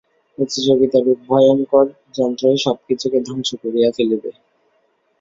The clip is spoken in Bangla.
প্রতিযোগিতারূপ ভয়ঙ্কর যন্ত্রই সবকিছুকে ধ্বংস করিয়া ফেলিবে।